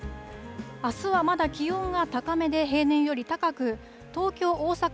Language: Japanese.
あすはまだ気温が高めで、平年より高く、東京、大阪、